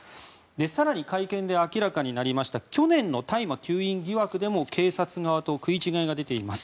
更に会見で明らかになりました去年の大麻吸引疑惑でも警察側と食い違いが出ています。